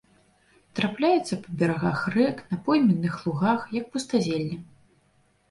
Трапляюцца па берагах рэк, на пойменных лугах, як пустазелле.